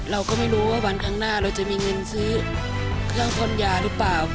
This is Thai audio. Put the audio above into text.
เราก็ไม่รู้ว่าวันข้างหน้าเราจะมีเงินซื้อเครื่องพ่นยาหรือเปล่า